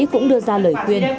cũng đưa ra lời khuyên